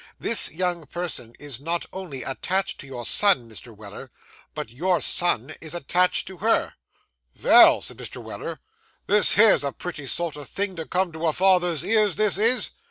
This young person is not only attached to your son, Mr. Weller, but your son is attached to her.' 'Vell,' said Mr. Weller, 'this here's a pretty sort o' thing to come to a father's ears, this is!